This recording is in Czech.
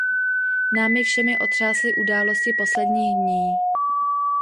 Námi všemi otřásly události posledních dní.